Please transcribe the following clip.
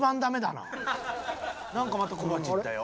なんかまた小鉢いったよ。